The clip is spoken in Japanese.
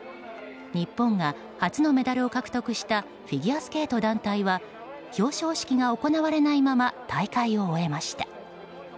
日本が初のメダルを獲得したフィギュアスケート団体は表彰式が行われないまま大会を終えました。